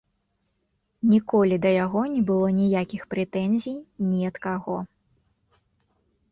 Ніколі да яго не было ніякіх прэтэнзій ні ад каго.